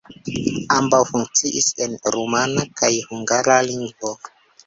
Ambaŭ funkciis en rumana kaj hungara lingvoj.